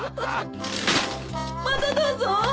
またどうぞ！